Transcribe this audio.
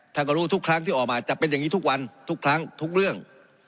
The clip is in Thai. ท่านก็รู้ทุกครั้งที่ออกมาจะเป็นอย่างนี้ทุกวันทุกครั้งทุกเรื่อง